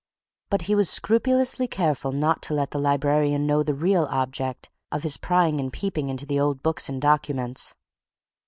But he was scrupulously careful not to let the librarian know the real object of his prying and peeping into the old books and documents.